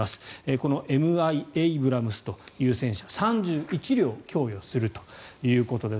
このＭ１エイブラムスという戦車３１両供与するということです。